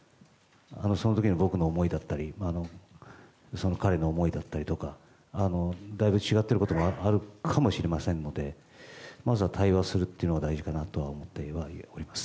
その時の僕の思いだったり彼の思いだったりだいぶ違っていることもあるかもしれませんのでまずは対話するのが大事かなとは思っております。